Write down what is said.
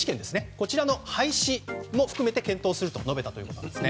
こちらの廃止も含めて検討すると述べたということです。